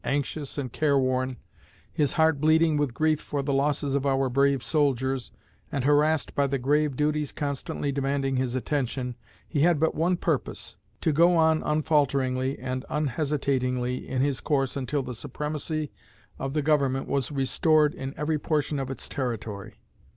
Anxious and careworn, his heart bleeding with grief for the losses of our brave soldiers, and harassed by the grave duties constantly demanding his attention, he had but one purpose, to go on unfalteringly and unhesitatingly in his course until the supremacy of the Government was restored in every portion of its territory.